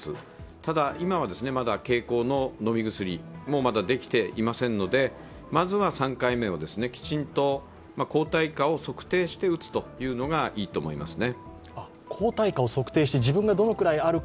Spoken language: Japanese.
ただ今は経口の飲み薬もまだできていませんのでまずは３回目をきちんと、抗体価を測定して打つというのがいいと思いますね。